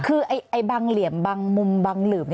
คือบางเหลี่ยมบางมุมบางหลืม